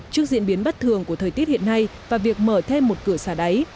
trước diễn biến bất thường của thời tiết hiện nay và việc mở thêm một cửa xả đáy